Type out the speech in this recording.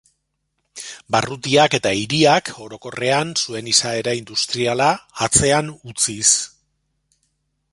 Barrutiak eta hiriak orokorrean zuen izaera industriala atzean utziz.